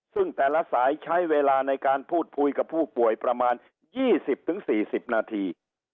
ซึ่งแต่ละสายใช้เวลาในการพูดคุยกับผู้ป่วยประมาณ๒๐๔๐นาที